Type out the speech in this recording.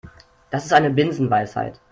Das ist eine Binsenweisheit.